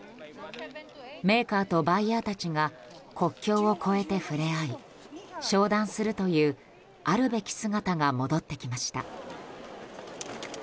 メーカーとバイヤーたちが国境を越えてふれあい商談するというあるべき姿が戻ってきました。